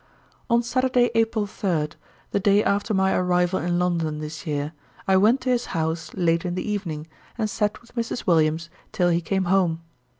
On Saturday, April 3, the day after my arrival in London this year, I went to his house late in the evening, and sat with Mrs. Williams till he came home.